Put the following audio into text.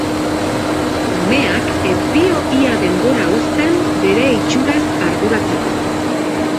Umeak ez dio ia denbora uzten bere itxuraz arduratzeko.